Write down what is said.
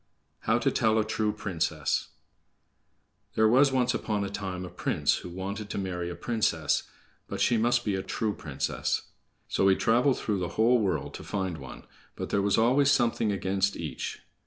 How to Tell a True Princess There was once upon a time a prince who wanted to marry a princess, but she must be a true princess. So he traveled through the whole world to find one, but there was always something against each.